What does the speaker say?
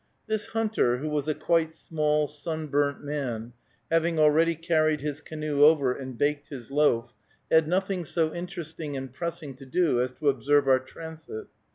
This hunter, who was a quite small, sunburnt man, having already carried his canoe over, and baked his loaf, had nothing so interesting and pressing to do as to observe our transit.